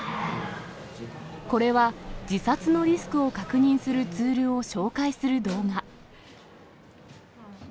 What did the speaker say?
これは、自殺のリスクを確認するツールを紹介する動画。